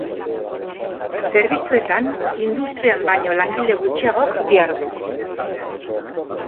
Zerbitzuetan industrian baino langile gutxiagok dihardu.